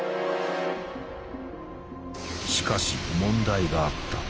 しかし問題があった。